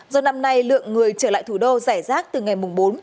do năm nay lượng người trở lại thủ đô giải rác từ ngày bốn